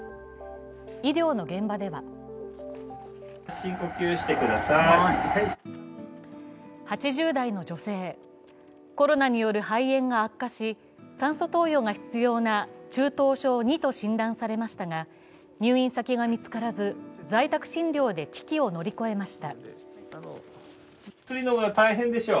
医療の現場では８０代の女性、コロナによる肺炎が悪化し、酸素投与が必要な中等症Ⅱと診断されましたが、入院先が見つからず、在宅診療で危機を乗り越えました。